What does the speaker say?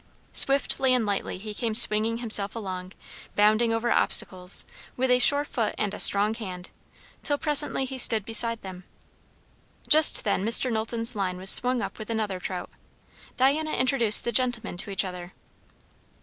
Swiftly and lightly he came swinging himself along, bounding over obstacles, with a sure foot and a strong hand; till presently he stood beside them. Just then Mr. Knowlton's line was swung up with another trout. Diana introduced the gentlemen to each other.